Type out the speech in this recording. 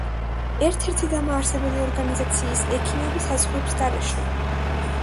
ერთ-ერთი დამაარსებელი ორგანიზაციის „ექიმები საზღვრებს გარეშე“.